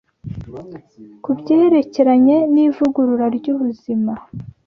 ku byerekeranye n’ivugurura ry’ubuzima